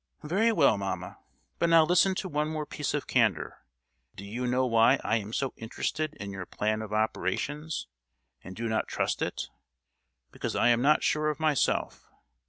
"Very well, mamma; but now listen to one more piece of candour. Do you know why I am so interested in your plan of operations, and do not trust it? because I am not sure of myself!